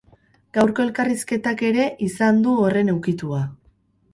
Gaurko elkarrizketak ere izan du horren ukitua.